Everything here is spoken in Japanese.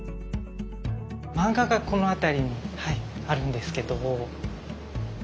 漫画がこの辺りにあるんですけど。